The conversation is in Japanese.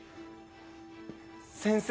先生